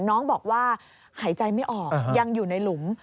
น้องบอกว่าหายใจไม่ออกยังอยู่ในหลุม